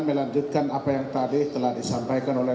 melanjutkan apa yang tadi telah disampaikan oleh